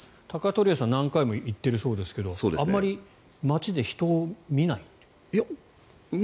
鷹鳥屋さん何回も行っているそうですがあまり街で人を見ないという。